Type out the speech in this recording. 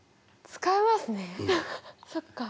そっか。